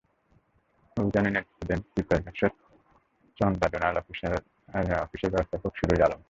অভিযানের নেতৃত্ব দেন তিতাস গ্যাসের চন্দ্রা জোনাল অফিসের ব্যবস্থাপক সুরুজ আলম।